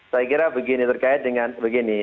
saya kira begini terkait dengan begini